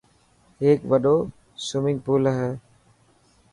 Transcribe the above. هيڪ وڏو سومنگپول هي.